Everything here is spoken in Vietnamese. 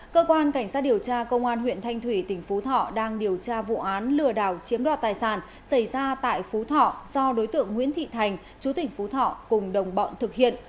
cơ quan cảnh sát điều tra công an huyện thanh thủy tỉnh phú thọ đang điều tra vụ án lừa đảo chiếm đoạt tài sản xảy ra tại phú thọ do đối tượng nguyễn thị thành chú tỉnh phú thọ cùng đồng bọn thực hiện